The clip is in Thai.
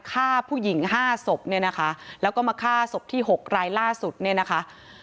ฆ่าผู้หญิงห้าศพเนี่ยนะคะแล้วก็มาฆ่าศพที่หกรายล่าสุดเนี่ยนะคะ